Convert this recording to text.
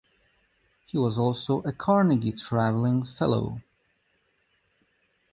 He was also a Carnegie Traveling Fellow.